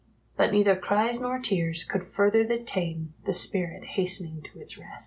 but neither cries nor tears could further detain the spirit hastening to its rest!